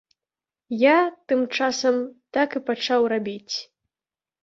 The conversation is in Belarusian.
Я, тым часам, так і пачаў рабіць.